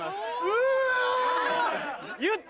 うわ！